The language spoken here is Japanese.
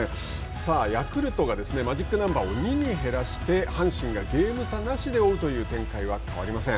さあ、ヤクルトがマジックナンバーを２に減らして阪神がゲーム差なしで追うという展開は変わりません。